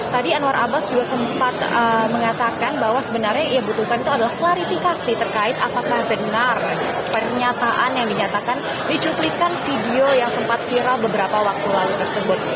tadi anwar abbas juga sempat mengatakan bahwa sebenarnya yang ia butuhkan itu adalah klarifikasi terkait apakah benar pernyataan yang dinyatakan dicuplikan video yang sempat viral beberapa waktu lalu tersebut